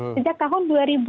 sejak tahun dua ribu enam belas